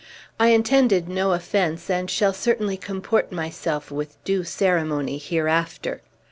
"I intended no offence, and shall certainly comport myself with due ceremony hereafter.